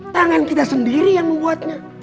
tangan kita sendiri yang membuatnya